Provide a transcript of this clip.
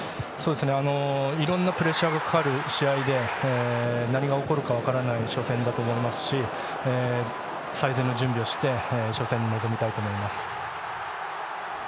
いろんなプレッシャーがかかる試合で何が起こるか分からない初戦だと思いますし最善の準備をして初戦に臨みたいと思います。